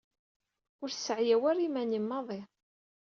Ur sseɛyaw ara iman-im maḍi.